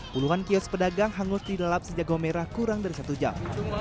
puluhan kios pedagang hangus di lelap sejagaw merah kurang dari satu jam